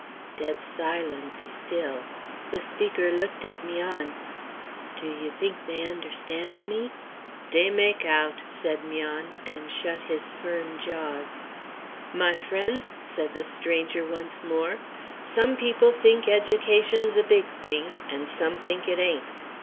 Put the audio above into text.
Dead silence still. The speaker looked at 'Mian. "Do you think they understand me?" "Dey meck out," said 'Mian, and shut his firm jaws. "My friends," said the stranger once more, "some people think education's a big thing, and some think it ain't.